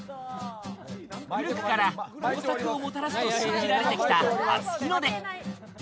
古くから豊作をもたらすと信じられてきた、初日の出。